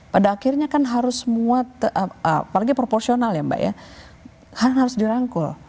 pada akhirnya kan harus semua apalagi proporsional ya mbak ya harus dirangkul